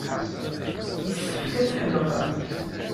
Yessefk ad tḥedqemt.